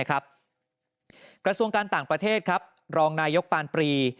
กระทรวงการต่างประเทศรองนายกปานปรี